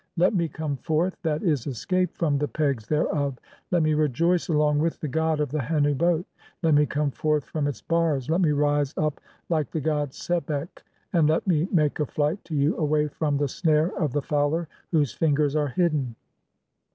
Let me come forth (7. <?., escape) from the "pegs (?) thereof, let me rejoice along with (6) the god of the "Hennu boat, let me come forth from its bars (?), let me rise "up like the god Sebek, and let me make a flight to you away "from the snare of the fowler (7) whose fingers are hidden.